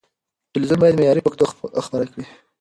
تلويزيون بايد معياري پښتو خپره کړي.